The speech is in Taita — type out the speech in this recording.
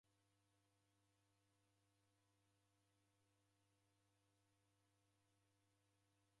Leka nishome ihi barua kwaza